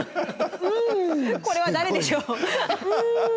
これは誰でしょう？